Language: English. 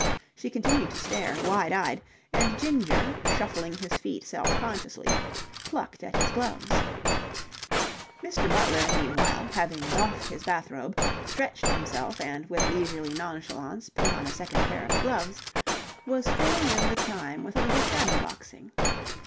She continued to stare, wide eyed, and Ginger, shuffling his feet self consciously, plucked at his gloves. Mr. Butler, meanwhile, having doffed his bath robe, stretched himself, and with leisurely nonchalance put on a second pair of gloves, was filling in the time with a little shadow boxing.